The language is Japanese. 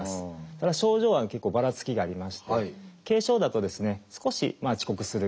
ただ症状は結構ばらつきがありまして軽症だとですね少し遅刻するぐらいの子からですね